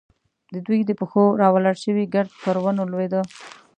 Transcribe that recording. د دوی د پښو راولاړ شوی ګرد پر ونو لوېده.